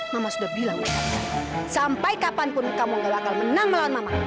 mama sudah bilang sampai kapanpun kamu gak bakal menang melawan mamaku